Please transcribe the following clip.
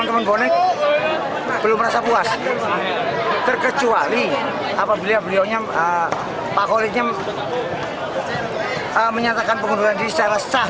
saya rasa puas terkecuali pak khalidnya menyatakan pengunduran diri secara sah